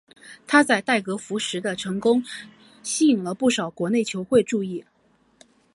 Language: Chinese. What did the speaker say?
他在代格福什的成功吸引不少国内球会注意。